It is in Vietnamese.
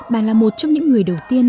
bà là một trong những người đầu tiên